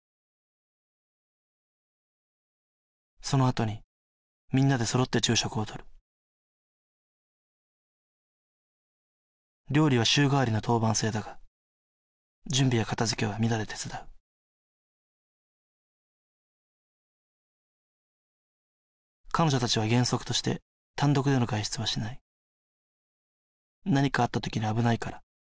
そのあとにみんなで揃って昼食をとる料理は週替わりの当番制だが準備や片づけは皆で手伝う彼女達は原則として単独での外出はしない「何かあった時に危ないから」